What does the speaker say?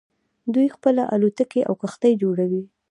دوی خپله الوتکې او کښتۍ جوړوي.